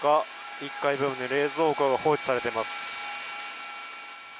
１階部分に冷蔵庫が放置されています。